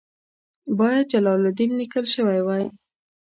باید جلال الدین لیکل شوی وای.